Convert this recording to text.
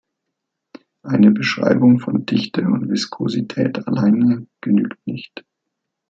Eine Beschreibung von Dichte und Viskosität alleine genügt nicht.